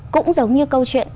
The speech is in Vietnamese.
cũng giống như câu chuyện